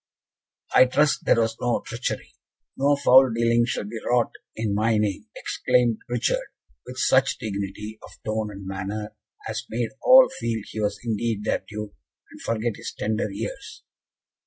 "I trust there was no treachery. No foul dealing shall be wrought in my name," exclaimed Richard, with such dignity of tone and manner, as made all feel he was indeed their Duke, and forget his tender years.